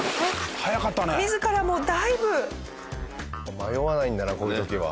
迷わないんだなこういう時は。